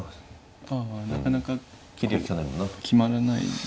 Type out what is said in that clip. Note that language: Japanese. ああなかなか決まらない。